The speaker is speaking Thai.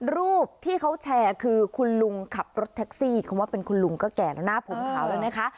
รูปที่เขาแชร์คือคุณลุงขับรถแท็กซี่คำว่าเป็นคุณลุงก็แก่แล้วนะผมขาวแล้วนะคะ